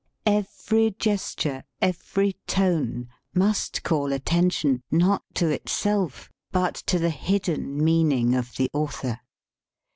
Every gesture, every tone must call attention, not to itself, but to the hidden meaning of the author.